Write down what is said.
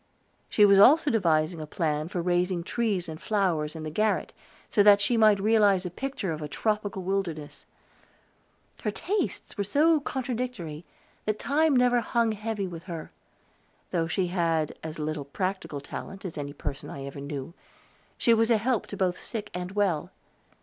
She was also devising a plan for raising trees and flowers in the garret, so that she might realize a picture of a tropical wilderness. Her tastes were so contradictory that time never hung heavy with her; though she had as little practical talent as any person I ever knew, she was a help to both sick and well.